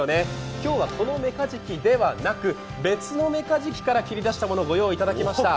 今日はこのメカジキではなく別のメカジキから切り出したものをご用意しました。